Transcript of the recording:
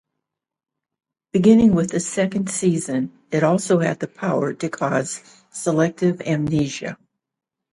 Beginning with the second season, it also had the power to cause selective amnesia.